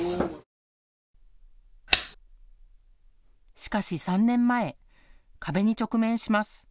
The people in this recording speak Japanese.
しかし３年前、壁に直面します。